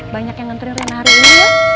banyak yang nontonin reina hari ini ya